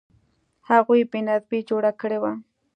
هغوی بې نظمي جوړه کړې وه.